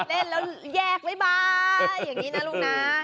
เล่นแล้วแยกบ๊ายบายอย่างนี้นะลูกนะ